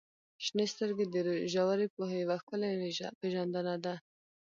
• شنې سترګې د ژورې پوهې یوه ښکلې پیژندنه ده.